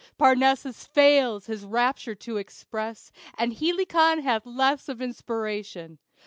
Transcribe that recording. Parnassus fails his rapture to express, And Helicon hath less of inspiration.